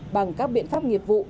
bằng các biện pháp nghiệp vụ